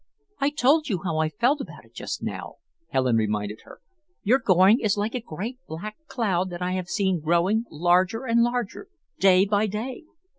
"I told you how I felt about it just now," Helen reminded her. "Your going is like a great black cloud that I have seen growing larger and larger, day by day.